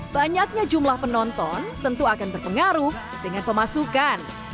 banyaknya jumlah penonton tentu akan berpengaruh dengan pemasukan